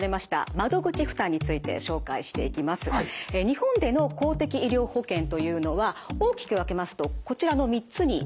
日本での公的医療保険というのは大きく分けますとこちらの３つになります。